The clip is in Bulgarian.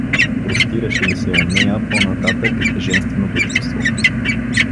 Простираше ли се у нея по-нататък женственото чувство?